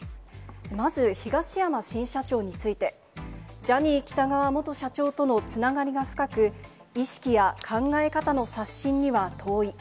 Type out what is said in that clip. まず東山新社長について、ジャニー喜多川元社長とのつながりが深く、意識や考え方の刷新には遠い。